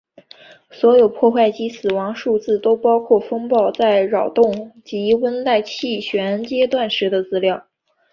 所有破坏及死亡数字都包括风暴在扰动及温带气旋阶段时的资料。